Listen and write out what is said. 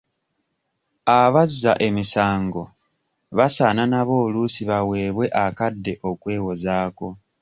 Abazza emisango basaana nabo oluusi baweebwe akadde okwewozaako.